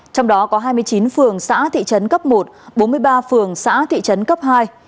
trong đó có hai mươi chín phường xã thị trấn cấp một bốn mươi ba phường xã thị trấn cấp hai